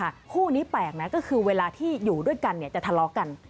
คู่นี้แปลกนะก็คือเวลาที่อยู่ด้วยกันเนี่ยจะทะเลาะกัน